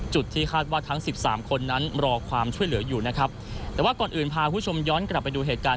จุดที่คาดว่าทั้งสิบสามคนนั้นรอความช่วยเหลืออยู่นะครับแต่ว่าก่อนอื่นพาคุณผู้ชมย้อนกลับไปดูเหตุการณ์